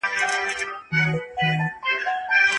تاسو بايد تل د پردې تر شا حقایق ولټوئ.